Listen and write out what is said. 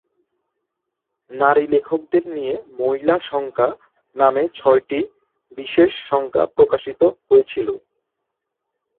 নারী লেখকদের নিয়ে "মহিলা সংখ্যা" নামে ছয়টি বিশেষ সংখ্যা প্রকাশিত হয়েছিল।